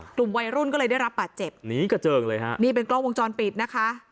กลุ่มวัยรุ่นก็เลยได้รับบาดเจ็บหนีกระเจิงเลยฮะนี่เป็นกล้องวงจรปิดนะคะ